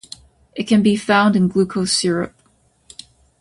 It can be found in glucose syrup.